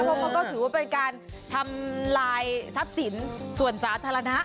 เพราะเขาก็ถือว่าเป็นการทำลายทรัพย์สินส่วนสาธารณะ